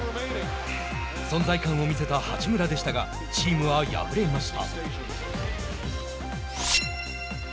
存在感を見せた八村でしたが、チームは敗れました。